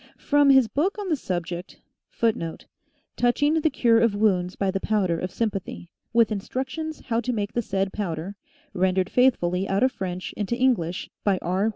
From his book on the subject, 1 we learn that the wound 1 Touching the Cure of Wounds by the Powder of Sympathy. With Instructions how to make the said Powder. Rendered faithfully out of French into English by R.